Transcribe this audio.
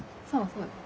そうです。